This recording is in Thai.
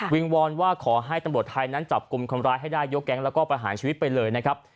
วอนว่าขอให้ตำรวจไทยนั้นจับกลุ่มคนร้ายให้ได้ยกแก๊งแล้วก็ประหารชีวิตไปเลยนะครับ